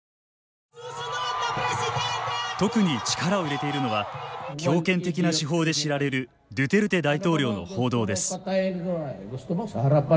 特に力を入れているのは強権的な手法で知られるドゥテルテ大統領の報道です。